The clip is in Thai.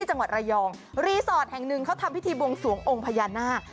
จังหวัดระยองรีสอร์ทแห่งหนึ่งเขาทำพิธีบวงสวงองค์พญานาค